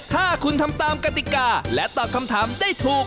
ถ้าคุณทำตามกติกาและตอบคำถามได้ถูก